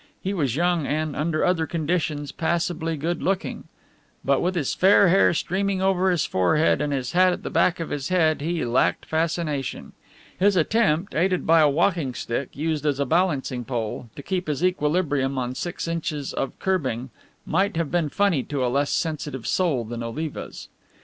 He was young and, under other conditions, passably good looking. But with his fair hair streaming over his forehead and his hat at the back of his head he lacked fascination. His attempt, aided by a walking stick used as a balancing pole, to keep his equilibrium on six inches of kerbing, might have been funny to a less sensitive soul than Oliva's.